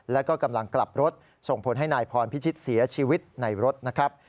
แล้วก็กำลังกลับรถส่งผลให้นายพรพิชิตเสียชีวิตในรถนะครับ